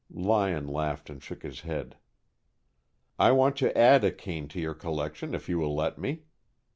Lyon laughed and shook his hand. "I want to add a cane to your collection if you will let me.